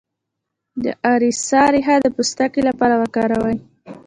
د اریسا ریښه د پوستکي لپاره وکاروئ